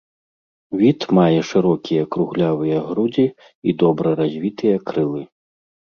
Від мае шырокія круглявыя грудзі і добра развітыя крылы.